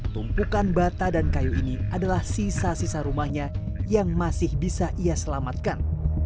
tumpukan bata dan kayu ini adalah sisa sisa rumahnya yang masih bisa ia selamatkan